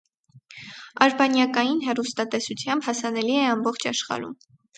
Արբանյակային հեռուստատեսությամբ հասանելի է ամբողջ աշխարհում։